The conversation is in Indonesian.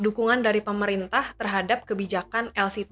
dukungan dari pemerintah terhadap kebijakan lct